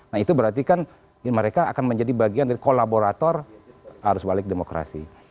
nah itu berarti kan mereka akan menjadi bagian dari kolaborator arus balik demokrasi